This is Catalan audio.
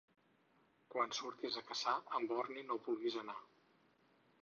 Quan surtis a caçar, amb borni no vulguis anar.